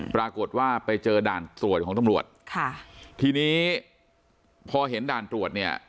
ปรากฏว่าไปเจอด่านตรวจของตำรวจค่ะทีนี้พอเห็นด่านตรวจเนี่ย